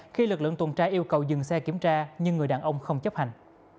khi lực lượng tuần tra yêu cầu dừng xe kiểm tra nhưng người đàn ông không chấp hành